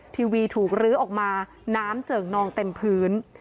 ทีวีถูกลื้อออกมาน้ำเจิกนองเต็มพื้น